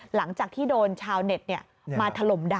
หลังจากที่โดนชาวเน็ตมาถล่มด่า